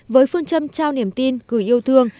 với phương châm trao niềm tin gửi yêu thương